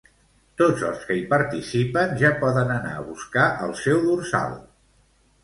Tots els que hi participen ja poden anar a buscar el seu dorsal.